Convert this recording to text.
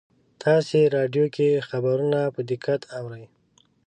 تاسې راډیو کې خبرونه په دقت اورئ